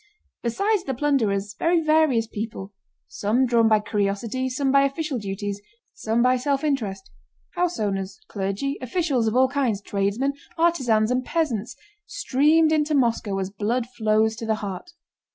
Besides the plunderers, very various people, some drawn by curiosity, some by official duties, some by self interest—house owners, clergy, officials of all kinds, tradesmen, artisans, and peasants—streamed into Moscow as blood flows to the heart.